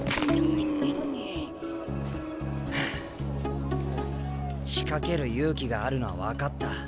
うっ。はあ仕掛ける勇気があるのは分かった。